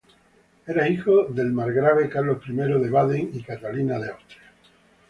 Era hijo del margrave Carlos I de Baden y Catalina de Austria.